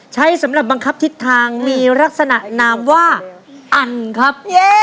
สำหรับบังคับทิศทางมีลักษณะนามว่าอันครับ